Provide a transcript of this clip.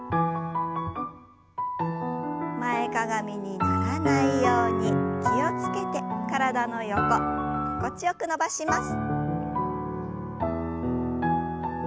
前かがみにならないように気を付けて体の横心地よく伸ばします。